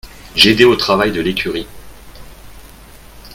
J’aidais au travail de l’écurie.